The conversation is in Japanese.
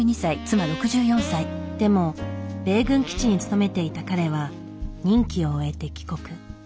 でも米軍基地に勤めていた彼は任期を終えて帰国。